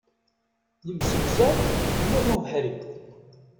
Yemsegza ula d ubeḥri.